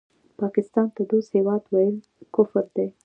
پاکستان ته دوست هېواد وویل کفر دی